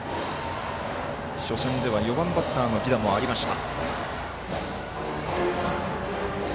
初戦では４番バッターの犠打もありました。